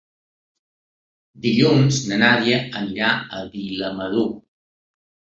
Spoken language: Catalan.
Dilluns na Nàdia irà a Vilamalur.